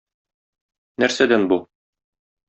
Нәрсәдән бу?